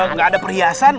nggak ada perhiasan